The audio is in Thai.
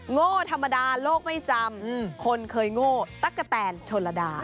โง่ธรรมดาโลกไม่จำคนเคยโง่ตั๊กกะแตนชนระดา